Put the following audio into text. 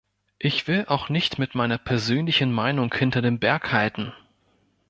Ich will auch nicht mit meiner persönlichen Meinung hinter dem Berg halten.